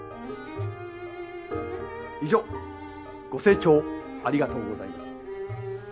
以上ご清聴ありがとうございました。